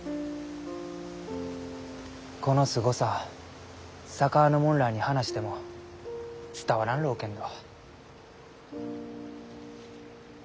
このすごさ佐川の者らあに話しても伝わらんろうけんど。